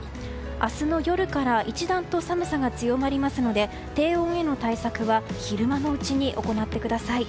明日の夜から一段と寒さが強まりますので低温への対策は昼間のうちに行ってください。